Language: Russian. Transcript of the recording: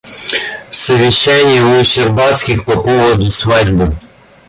Совещание у Щербацких по поводу свадьбы.